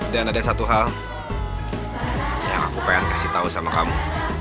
dan ada satu hal yang aku pengen kasih tau sama kamu